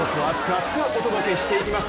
厚く！お届けしていきます。